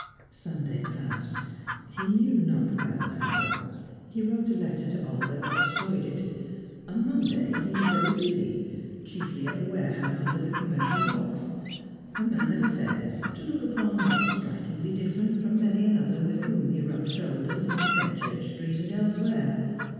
Sunday passed, he knew not well how. He wrote a letter to Olga, but destroyed it. On Monday he was very busy, chiefly at the warehouses of the Commercial Docks; a man of affairs; to look upon, not strikingly different from many another with whom he rubbed shoulders in Fenchurch Street and elsewhere.